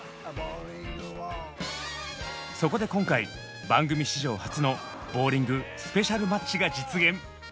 そこで今回番組史上初のボウリング・スペシャルマッチが実現！